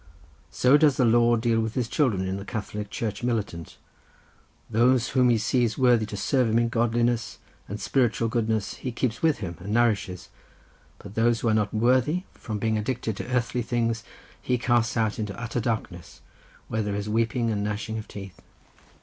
So does the Lord deal with His children, in the Catholic Church Militant: those whom He sees worthy to serve Him in godliness and spiritual goodness He keeps with Him and nourishes, but those who are not worthy from being addicted to earthly things He casts out into utter darkness, where there is weeping and gnashing of teeth."